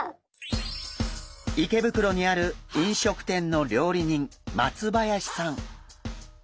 池袋にある飲食店の料理人松林さん。